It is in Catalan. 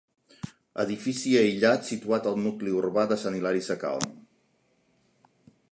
Edifici aïllat, situat al nucli urbà de Sant Hilari Sacalm.